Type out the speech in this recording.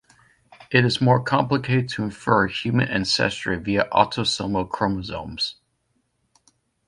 It is more complicated to infer human ancestry via autosomal chromosomes.